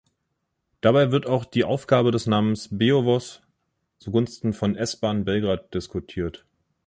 Dabei wird auch die Aufgabe des Namens Beovoz zugunsten von "S-Bahn Belgrad" diskutiert.